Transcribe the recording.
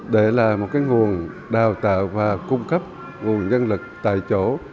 để là một nguồn đào tạo và cung cấp nguồn nhân lực tại chỗ